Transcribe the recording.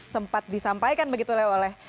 sempat disampaikan begitu oleh